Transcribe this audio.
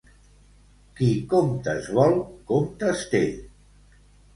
Qui comptes vol, comptes té.